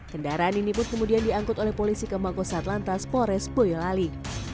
kendaraan ini pun kemudian diangkut oleh polisi ke makosat lantas pores boyolali